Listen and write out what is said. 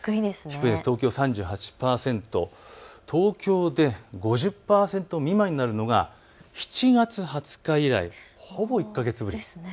東京は３８％、東京で５０％未満になるのは７月の２０日以来、ほぼ１か月ぶりです。